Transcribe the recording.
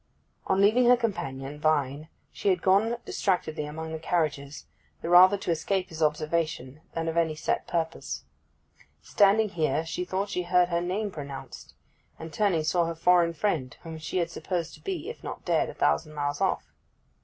On leaving her companion Vine she had gone distractedly among the carriages, the rather to escape his observation than of any set purpose. Standing here she thought she heard her name pronounced, and turning, saw her foreign friend, whom she had supposed to be, if not dead, a thousand miles off.